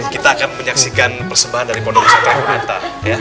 kita akan menyaksikan persembahan dari kondorosan kremanta